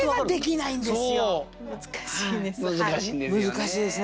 難しいです。